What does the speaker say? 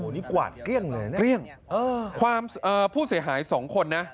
อ่อนี่กวาดแกล้งเลยน่ะแกล้งความผู้เสียหาย๒คนนะ